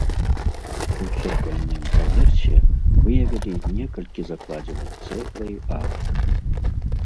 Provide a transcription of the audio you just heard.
У цокальным паверсе выявілі некалькі закладзеных цэглай арак.